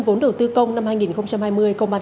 vốn đầu tư công năm hai nghìn hai mươi công an